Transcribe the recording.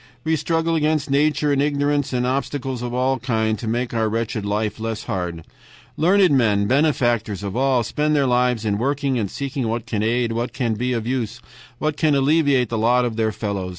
We struggle against nature and ignorance and obstacles of all kinds to make our wretched life less hard. Learned men benefactors of all spend their lives in working, in seeking what can aid, what be of use, what can alleviate the lot of their fellows.